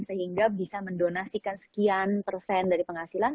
sehingga bisa mendonasikan sekian persen dari penghasilan